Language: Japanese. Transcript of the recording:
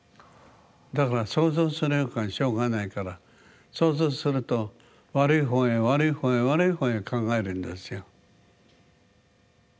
だから想像するよかしょうがないから想像すると悪い方へ悪い方へ悪い方へ考えるんですよ。